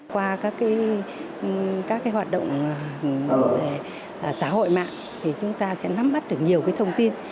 qua các hoạt động xã hội mạng thì chúng ta sẽ nắm bắt được nhiều thông tin